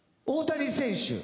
大谷選手。